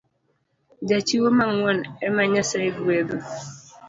Jachiwo mang’uon ema Nyasaye gwedho